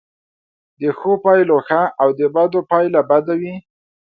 د ښو پایله ښه او د بدو پایله بده وي.